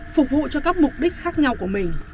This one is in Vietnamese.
phục vụ cho các mục đích khác nhau của mình